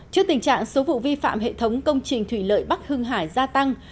trước tình trạng số vụ vi phạm hệ thống công trình thủy lợi bắc hưng hải gia tăng